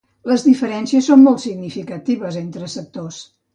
Les diferències són molt significatives entre sectors.